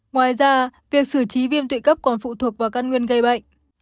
ngoài ra việc xử trí viêm tụy cấp còn phụ thuộc vào căn nguyên gây bệnh